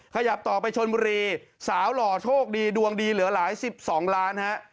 ขยับต่อไปชนบุรีสาวหล่อโชคดีดวงดีเหลือหลาย๑๒ล้านฮะ